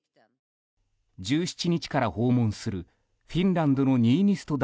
１７日から訪問するフィンランドのニーニスト